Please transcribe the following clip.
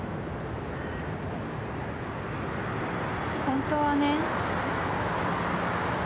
本当はね。